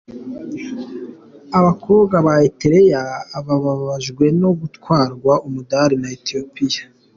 Abakobwa ba Erythrea bababajwe no gutwarwa umudali na Ethiopia .